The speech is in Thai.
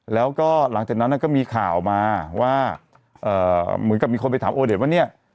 แล้วก็หลังจากนั้นก็มีข่าวมาว่าเหมือนกับมีคนไปถามโอเดชว่าเนี่ย